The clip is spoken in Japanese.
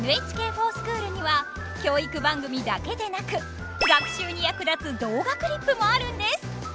ＮＨＫｆｏｒＳｃｈｏｏｌには教育番組だけでなく学習に役立つ動画クリップもあるんです！